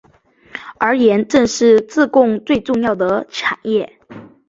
而盐正是自贡最重要的产业。